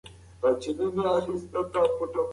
ایا تاسي د مغولي کلا په اړه څه اورېدلي دي؟